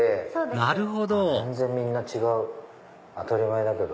なるほど全然みんな違う当たり前だけど。